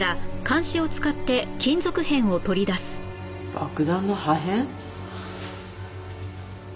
爆弾の破片？